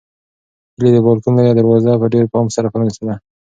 هیلې د بالکن لویه دروازه په ډېر پام سره پرانیستله.